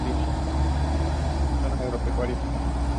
Harlow was awarded an honorary degree from Franklin College.